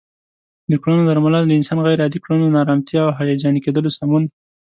د کړنو درملنه د انسان غیر عادي کړنو، ناآرامتیا او هیجاني کیدلو سمون